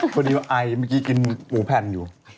พอดีว่าไอมันกี้กินหมูแพนอยู่